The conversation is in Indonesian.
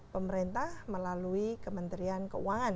pemerintah melalui kementerian keuangan